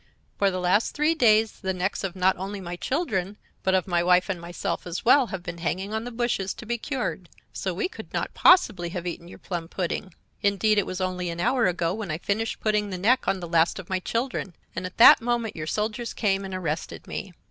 For the last three days the necks of not only my children but of my wife and myself, as well, have been hanging on the bushes to be cured; so we could not possibly have eaten your plum pudding. Indeed, it was only an hour ago when I finished putting the neck on the last of my children, and at that moment your soldiers came and arrested me."